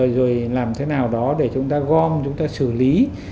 rồi làm thế nào đó để chúng ta gom chúng ta xử lý